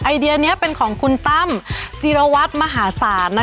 เดียนี้เป็นของคุณตั้มจิรวัตรมหาศาล